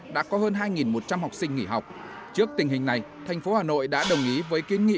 đã có hơn hai một trăm linh học sinh nghỉ học trước tình hình này thành phố hà nội đã đồng ý với kiến nghị